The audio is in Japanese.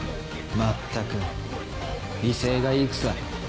まったく威勢がいいくさ。